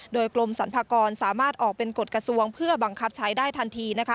โดยกรมสรรพากรสามารถออกเป็นกฎกระทรวงเพื่อบังคับใช้ได้ทันที